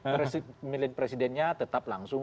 pemilihan presidennya tetap langsung